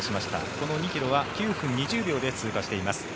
この２ｋｍは９分２０秒で通過しています。